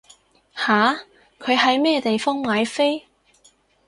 吓？佢喺咩地方買飛？